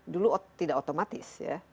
dulu tidak otomatis ya